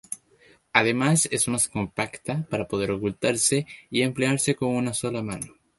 Además es más compacta, para poder ocultarse y emplearse con una sola mano.